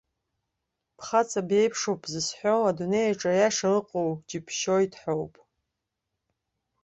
Бхаҵа биеиԥшуп зысҳәаз, адунеиаҿ аиаша ыҟоу џьыбшьоит ҳәоуп.